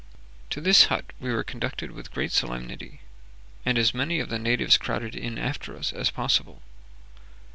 To this hut we were conducted with great solemnity, and as many of the natives crowded in after us as possible.